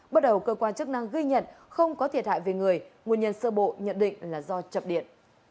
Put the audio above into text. bước đầu cơ quan chức năng ghi nhận không có thiệt hại về người nguyên nhân sơ bộ nhận định là do chập điện